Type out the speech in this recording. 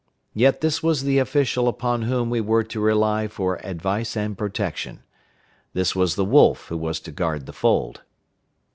Yet this was the official upon whom we were to rely for advice and protection. This was the wolf who was to guard the fold.